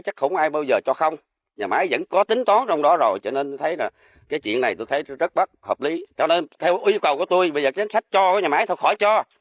cho nên theo yêu cầu của tôi bây giờ cánh sách cho nhà máy thôi khỏi cho